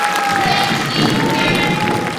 以独特的流线型外观成为流经的景象。